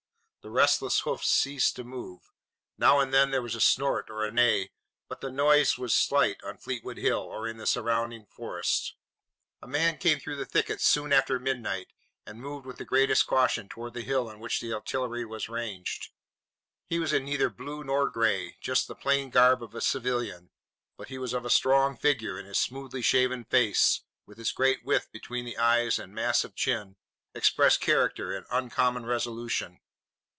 The restless hoofs ceased to move. Now and then there was a snort or a neigh, but the noise was slight on Fleetwood Hill or in the surrounding forests. A man came through the thickets soon after midnight and moved with the greatest caution toward the hill on which the artillery was ranged. He was in neither blue nor gray, just the plain garb of a civilian, but he was of strong figure and his smoothly shaven face, with its great width between the eyes and massive chin, expressed character and uncommon resolution.